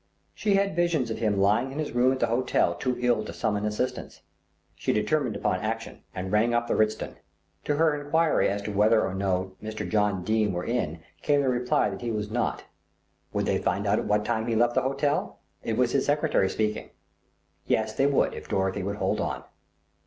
She had visions of him lying in his room at the hotel too ill to summon assistance. She determined upon action and rang up the Ritzton. To her enquiry as to whether or no Mr. John Dene were in came the reply that he was not. Would they find out at what time he left the hotel? It was his secretary speaking. Yes, they would if Dorothy would hold on.